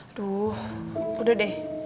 aduh udah deh